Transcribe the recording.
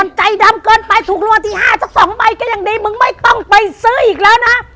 มันใจดำเกินไปถูกรางวัลที่๕สัก๒ใบก็ยังดีมึงไม่ต้องไปซื้ออีกแล้วนะ